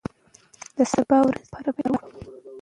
د سبا ورځې لپاره باید کار وکړو.